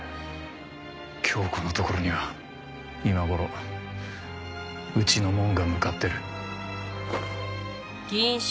響子のところには今頃うちの者が向かってる。